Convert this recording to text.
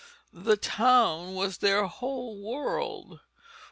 The town was their whole world.